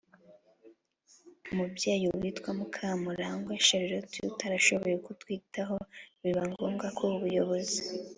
Mubyeyi witwa mukamurangwa charlotte utarashoboye kumwitaho biba ngombwa ko ubuyobozi